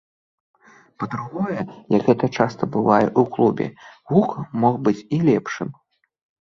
Па-другое, як гэта часта бывае ў клубе, гук мог быць і лепшым.